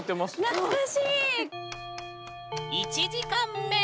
懐かしい。